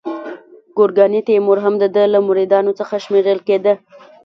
ګورکاني تیمور هم د ده له مریدانو څخه شمیرل کېده.